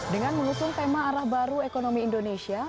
dengan mengusung tema arah baru ekonomi indonesia